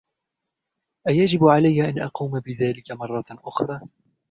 أيجب علي أن أقوم بذلك مرة أخرى ؟